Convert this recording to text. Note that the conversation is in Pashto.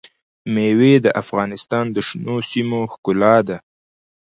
مېوې د افغانستان د شنو سیمو ښکلا ده.